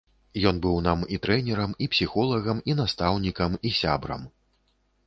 Ён быў нам і трэнерам, і псіхолагам, і настаўнікам, і сябрам!!!